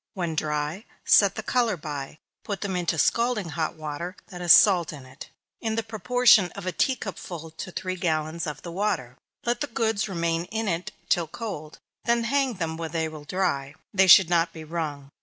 When dry, set the color by, put them into scalding hot water, that has salt in it, in the proportion of a tea cup full to three gallons of the water. Let the goods remain in it till cold; then hang them where they will dry; (they should not be wrung.)